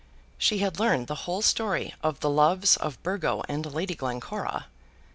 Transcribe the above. She had learned the whole story of the loves of Burgo and Lady Glencora.